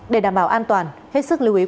để đảm bảo an toàn hết sức lưu ý quý vị